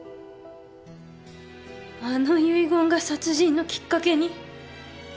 あの遺言が殺人のきっかけに。